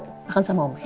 makan sama oma ya